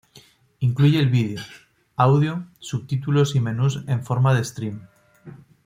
Incluye el video, audio, subtítulos y menús en forma de "stream".